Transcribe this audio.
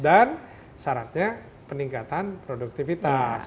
dan syaratnya peningkatan produktivitas